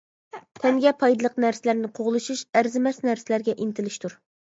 تەنگە پايدىلىق نەرسىلەرنى قوغلىشىش-ئەرزىمەس نەرسىلەرگە ئىنتىلىشتۇر.